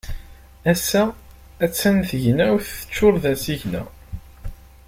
Ass-a a-t-an tagnawt teččur d asigna.